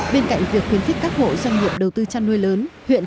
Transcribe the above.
bên cạnh việc khuyến khích các hộ doanh nghiệp đầu tư chăn nuôi lớn